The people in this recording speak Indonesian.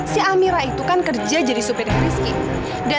si amira itu kan kerja jadi supir rizky